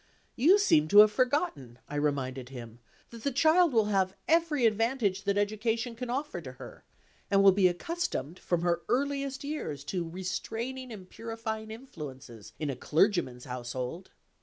"You seem to have forgotten," I reminded him, "that the child will have every advantage that education can offer to her, and will be accustomed from her earliest years to restraining and purifying influences, in a clergyman's household."